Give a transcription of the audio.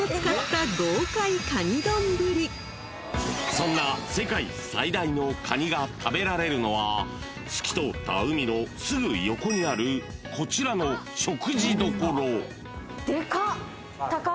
［そんな世界最大のカニが食べられるのは透き通った海のすぐ横にあるこちらの］でかっ！